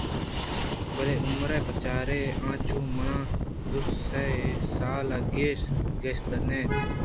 بلئے عمر ءَ بچارے آ چہ من دوسے سال ءَ گیش کستر نہ اِنت